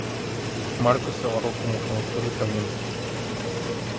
Marcus trabajó como conductor de camiones.